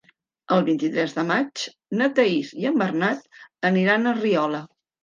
El vint-i-tres de maig na Thaís i en Bernat aniran a Riola.